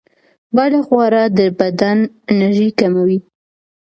بدخواړه د بدن انرژي کموي.